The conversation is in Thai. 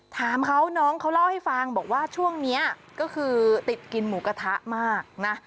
ถามเขาน้องเขาเล่าให้ฟังบอกว่าช่วงนี้ก็คือติดกินหมูกระทะมากนะ